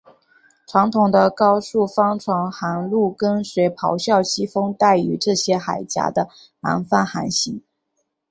传统的高速帆船航路跟随咆哮西风带于这些海岬的南方航行。